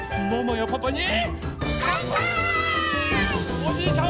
おじいちゃん